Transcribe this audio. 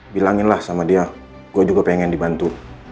bilanginlah sama dia gue juga pengen dibantu